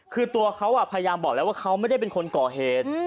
คือตัวเขาพยายามบอกแล้วว่าเขาไม่ได้เป็นคนก่อเหตุ